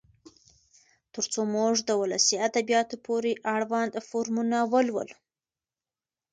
تر څو موږ د ولسي ادبياتو پورې اړوند فورمونه ولولو.